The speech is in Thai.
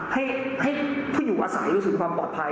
ให้ผู้อยู่อาศัยรู้สึกความปลอดภัย